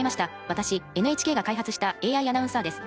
私ＮＨＫが開発したＡＩアナウンサーです。